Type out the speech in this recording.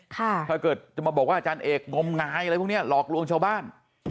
ถ้าเกิดจะมาบอกว่าอาจารย์เอกงมงายอะไรพวกนี้หลอกลวงชาวบ้าน